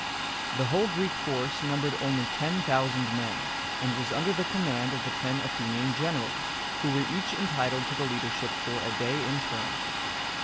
The whole Greek force numbered only ten thousand men, and was under the command of the ten Athenian generals who were each entitled to the leadership for a day in turn.